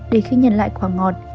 để khi nhìn lại quả ngọt